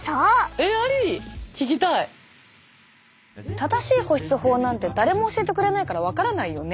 正しい保湿法なんて誰も教えてくれないから分からないよね。